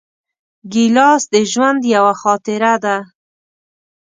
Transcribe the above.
ګیلاس د ژوند یوه خاطره ده.